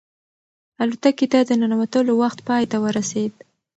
الوتکې ته د ننوتلو وخت پای ته ورسېد.